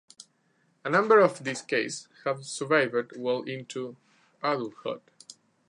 A number of these cases have survived well into adulthood.